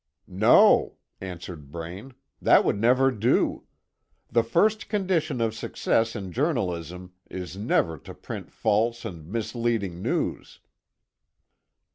"No," answered Braine, "that would never do. The first condition of success in journalism is never to print false and misleading news."